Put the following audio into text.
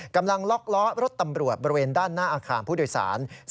กำลังล็อกล้อรถตำรวจบริเวณด้านหน้าอาคารผู้โดยสาร